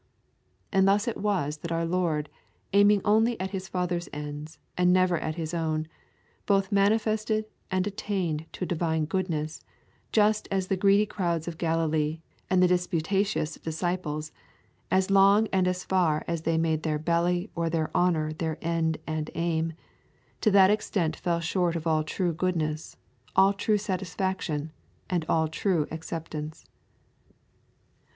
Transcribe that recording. And thus it was that our Lord, aiming only at His Father's ends and never at His own, both manifested and attained to a Divine goodness, just as the greedy crowds of Galilee and the disputatious disciples, as long and as far as they made their belly or their honour their end and aim, to that extent fell short of all true goodness, all true satisfaction, and all true acceptance.